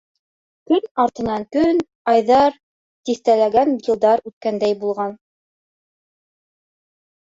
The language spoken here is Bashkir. Көн артынан көн, айҙар, тиҫтәләгән йылдар үткәндәй булған.